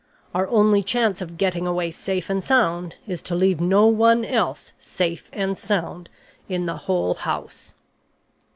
Our only chance of getting away safe and sound is to leave no one else safe and sound in the whole house.'